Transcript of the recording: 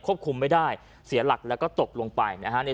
คุมไม่ได้เสียหลักแล้วก็ตกลงไปนะฮะใน